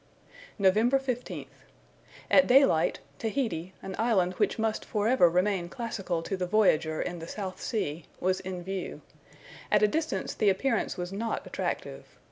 November 15th. At daylight, Tahiti, an island which must for ever remain classical to the voyager in the South Sea, was in view. At a distance the appearance was not attractive.